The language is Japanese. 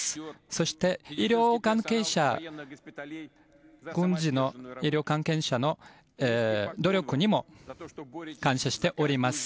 そして医療関係者軍人の医療関係者の努力にも感謝しております。